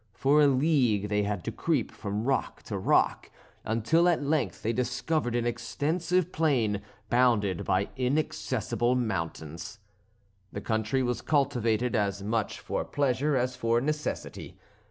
For a league they had to creep from rock to rock, until at length they discovered an extensive plain, bounded by inaccessible mountains. The country was cultivated as much for pleasure as for necessity.